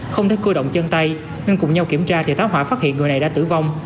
không thể cưa động chân tay nên cùng nhau kiểm tra thì táo hỏa phát hiện người này đã tử vong